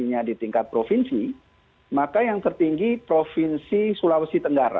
hanya di tingkat provinsi maka yang tertinggi provinsi sulawesi tenggara